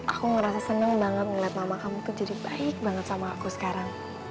aku ngerasa seneng banget ngeliat mama kamu tuh jadi baik banget sama aku sekarang